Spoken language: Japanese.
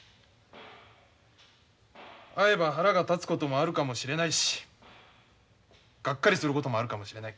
会えば腹が立つこともあるかもしれないしがっかりすることもあるかもしれない。